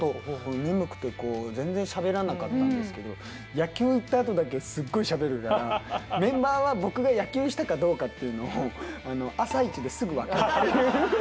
眠くてこう全然しゃべらなかったんですけど野球行ったあとだけすっごいしゃべるからメンバーは僕が野球したかどうかっていうのを朝一ですぐ分かるっていう。